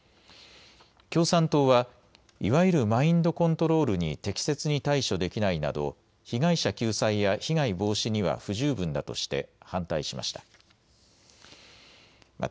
共産党は、いわゆるマインドコントロールに適切に対処できないなど被害者救済や被害防止には不十分だとして反対しました。